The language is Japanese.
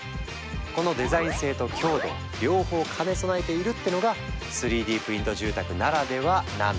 このデザイン性と強度両方兼ね備えているってのが３Ｄプリント住宅ならではなんだとか。